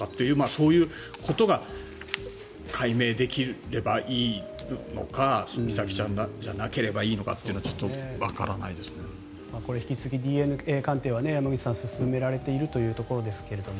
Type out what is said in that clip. そういうことが解明できればいいのか美咲ちゃんじゃなければいいのかというのはこれは引き続きＤＮＡ鑑定は進められているというところですが。